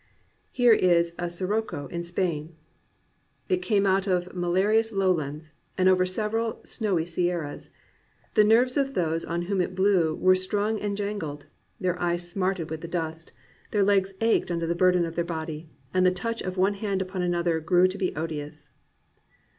Here is a sirocco in Spain: "It came out of ma larious lowlands, and over several snowy sierras. The nerves of those on whom it blew were strung and jangled; their eyes smarted with the dust; 376 AN ADVENTURER their legs ached under the burden of their body; and the touch of one hand upon another grew to be odious."